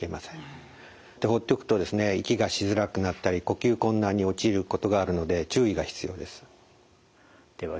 放っておくと息がしづらくなったり呼吸困難に陥ることがあるので注意が必要です。